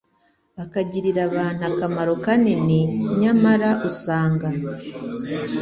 akagirira abantu akamaro kanini, nyamara usanga